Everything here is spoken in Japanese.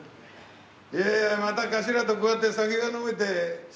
いやいやまた頭とこうやって酒が飲めて幸せですよ。